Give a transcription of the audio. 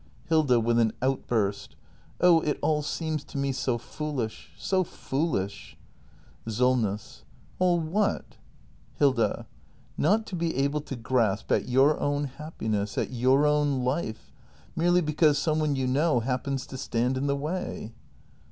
Hilda. [With an outburst.] Oh, it all seems to me so foolish — so foolish! Solness. All what ? Hilda. Not to be able to grasp at your own happiness — at your own life! Merely because some one you know hap pens to stand in the way!